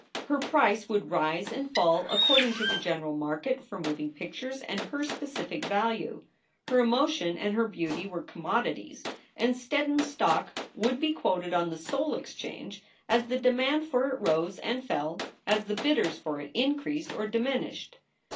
Her price would rise and fall according to the general market for moving pictures and her specific value. Her emotion and her beauty were commodities, and Steddon stock would be quoted on the Soul Exchange as the demand for it rose and fell, as the bidders for it increased or diminished.